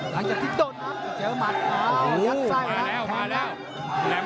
อยากจะทิ้งโดรน้ำเจอหมัดอ๋ออยากใส่นะมาแล้วมาแล้วแล้ว